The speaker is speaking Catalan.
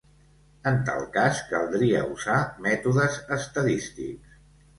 En tal cas, caldria usar mètodes estadístics.